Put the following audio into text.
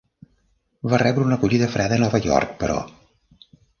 Va rebre una acollida freda a Nova York, però.